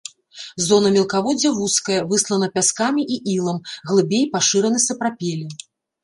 Зона мелкаводдзя вузкая, выслана пяскамі і ілам, глыбей пашыраны сапрапелі.